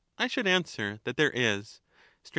I should answer that there is. Str.